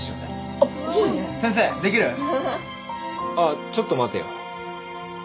あっちょっと待てよ。